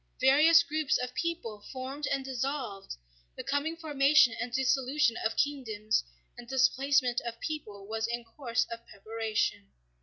Various groups of people formed and dissolved, the coming formation and dissolution of kingdoms and displacement of peoples was in course of preparation.